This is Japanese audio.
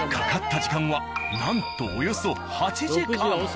かかった時間はなんとおよそ８時間。